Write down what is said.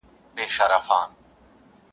ته توپک را واخله ماته بم راکه,